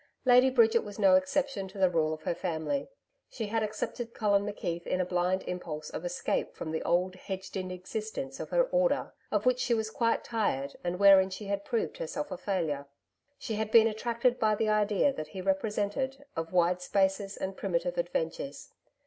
Lady Bridget was no exception to the rule of her family. She had accepted Colin McKeith in a blind impulse of escape from the old hedged in existence of her order, of which she was quite tired and where in she had proved herself a failure. She had been attracted by the idea that he represented, of wide spaces and primitive adventures.